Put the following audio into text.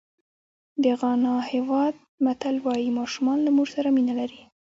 د غانا هېواد متل وایي ماشومان له مور سره مینه لري.